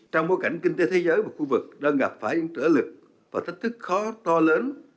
trong bối cảnh kinh tế thế giới và khu vực đang gặp phải những trở lực và thách thức khó to lớn